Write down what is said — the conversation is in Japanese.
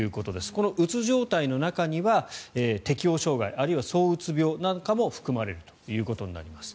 このうつ状態の中には適応障害あるいは、そううつ病なんかも含まれるということになります。